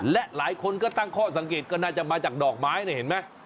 และหลายคนก็ตั้งข้อสังเกตก็น่าจะมาจากดอกไม้เนี่ยเห็นไหม